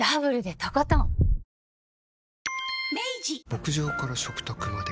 牧場から食卓まで。